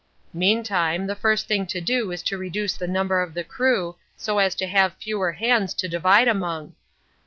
"Meantime, the first thing to do is to reduce the number of the crew so as to have fewer hands to divide among.